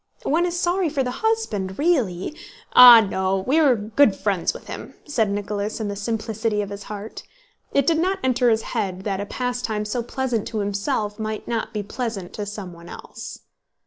One is sorry for the husband, really...." "Oh no, we are good friends with him," said Nicholas in the simplicity of his heart; it did not enter his head that a pastime so pleasant to himself might not be pleasant to someone else.